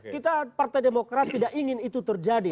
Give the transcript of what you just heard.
kita partai demokrat tidak ingin itu terjadi